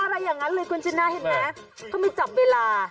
อะไรอย่างนั้นเลยคุณชนะเห็นไหมเขาไม่จับเวลา